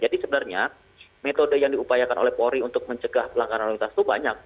jadi sebenarnya metode yang diupayakan oleh polri untuk mencegah pelanggaran unitas itu banyak